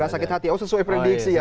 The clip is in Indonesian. sakit hati oh sesuai prediksi ya